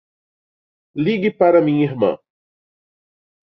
Ligue para a minha irmã.